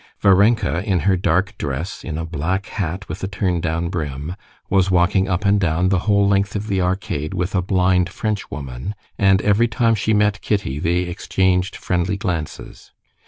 Varenka, in her dark dress, in a black hat with a turn down brim, was walking up and down the whole length of the arcade with a blind Frenchwoman, and, every time she met Kitty, they exchanged friendly glances.